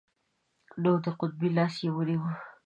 نو د قبطي لاس یې ونیوه.